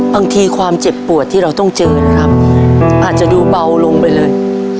ความเจ็บปวดที่เราต้องเจอนะครับอาจจะดูเบาลงไปเลย